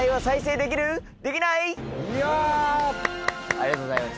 ありがとうございます。